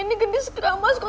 ini gendis keramas kok